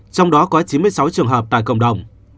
trong đó có chín mươi sáu trường hợp tại cộng đồng